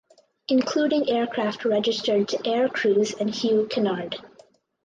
Including aircraft registered to Air Kruise and Hugh Kennard.